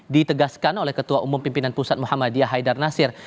ditegaskan oleh ketua umum pimpinan pusat muhammadiyah haidar nasir